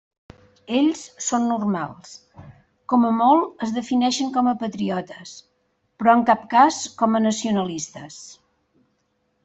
Ells són «normals», com a molt es defineixen com a patriotes, però en cap cas com a nacionalistes.